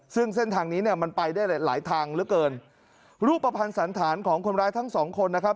ซึ่งเส้นทางนี้เนี่ยมันไปได้หลายทางเหลือเกินรูปภัณฑ์สันธารของคนร้ายทั้งสองคนนะครับ